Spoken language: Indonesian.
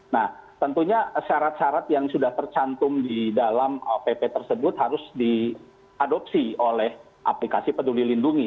nah tentunya syarat syarat yang sudah tercantum di dalam pp tersebut harus diadopsi oleh aplikasi peduli lindungi